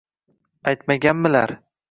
Aytmaganmilar?